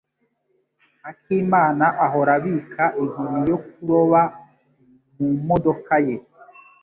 akimana ahora abika inkoni yo kuroba mumodoka ye.